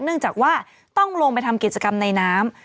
เนื่องจากว่าต้องลงไปทำกิจกรรมในน้ำ